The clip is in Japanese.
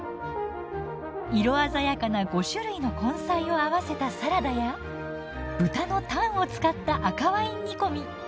色鮮やかな５種類の根菜をあわせたサラダや豚のタンを使った赤ワイン煮込み。